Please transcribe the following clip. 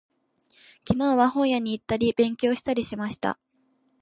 昨日は、本屋に行ったり、勉強したりしました。